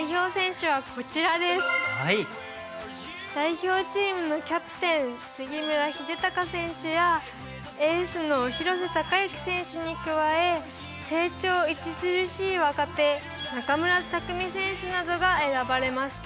代表チームのキャプテン杉村英孝選手やエースの廣瀬隆喜選手に加え成長著しい若手中村拓海選手などが選ばれました。